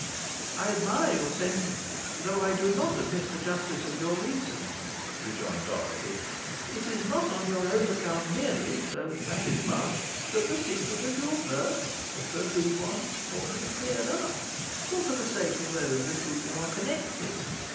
"I admire your sentiments, though I do not admit the justice of your reasoning," rejoined Dorothy. "It is not on your own account merely, though that is much, that the secret of your birth if there be one ought to be cleared up; but, for the sake of those with whom you may be connected.